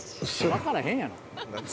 分からへんやろ。